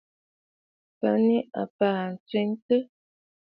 Mə̀ nɨ̂ àbaa ntswêntɨ̀ɨ̀.